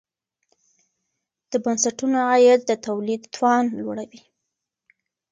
د بنسټونو عاید د تولید توان لوړوي.